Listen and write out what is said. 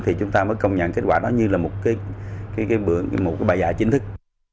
thì chúng ta mới công nhận kết quả đó như là một cái bài giải chính thức